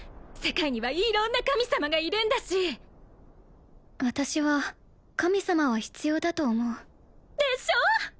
世界には色んな神様がいるんだし私は神様は必要だと思うでしょ！